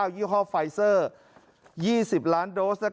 ยี่ห้อไฟเซอร์๒๐ล้านโดส